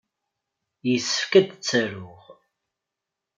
Yessefk ad tt-aruɣ.